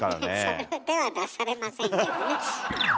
その手は出されませんけどね。